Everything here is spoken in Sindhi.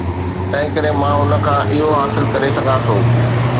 تنهنڪري مان هن کان اهو حاصل ڪري سگهان ٿو.